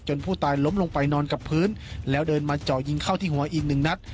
ผู้ตายล้มลงไปนอนกับพื้นแล้วเดินมาเจาะยิงเข้าที่หัวอีกหนึ่งนัด